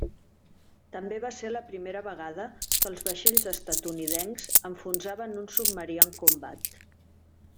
També va ser la primera vegada que els vaixells estatunidencs enfonsaven un submarí en combat.